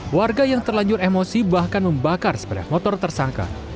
warga yang terlanjur emosi bahkan membakar sepeda motor tersangka